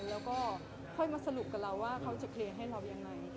แล้วก็ค่อยมาสรุปกับเราว่าเขาจะเคลียร์ให้เรายังไง